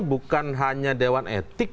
bukan hanya dewan etik